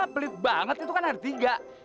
pelit banget itu kan ada tiga